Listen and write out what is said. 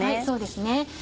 そうですね。